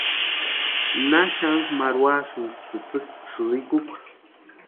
¿Na xanku marhuasïnki tsïtsïki sïrikukwa?